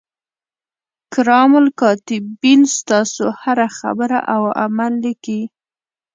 کرام الکاتبین ستاسو هره خبره او عمل لیکي.